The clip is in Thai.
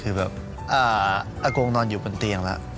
คือแบบอากงนอนอยู่บนเตียงแล้ว